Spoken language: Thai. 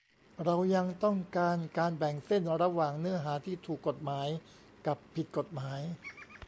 เรายังต้องการการแบ่งเส้นระหว่างเนื้อหาที่ถูกกฎหมาย กับผิดกฎหมาย